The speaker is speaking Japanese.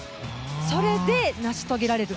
それで成し遂げられる。